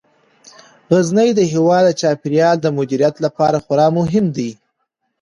غزني د هیواد د چاپیریال د مدیریت لپاره خورا مهم دی.